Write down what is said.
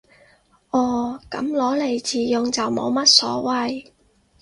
哦，噉攞嚟自用就冇乜所謂